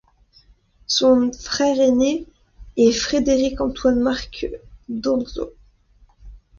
Son frère aîné, est Frédéric-Antoine-Marc d'Andlau.